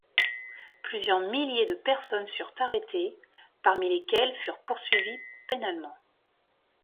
Plusieurs milliers de personnes furent arrêtées, parmi lesquelles furent poursuivies pénalement.